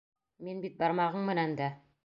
Мин бит бармағың менән дә!..